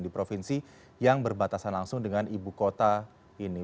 di provinsi yang berbatasan langsung dengan ibu kota ini